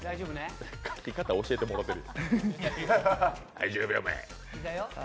描き方、教えてもらってる。